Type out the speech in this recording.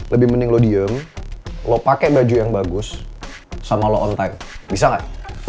lebih mending lo diem lo pakai baju yang bagus sama low on time bisa nggak